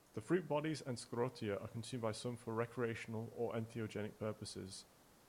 The fruit bodies and sclerotia are consumed by some for recreational or entheogenic purposes.